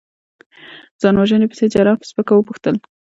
ځان وژنې پسې؟ جراح په سپکه وپوښتل.